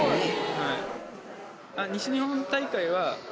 はい。